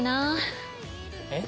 えっ？